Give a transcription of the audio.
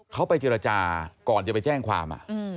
เขาไปเจรจาก่อนจะไปแจ้งความ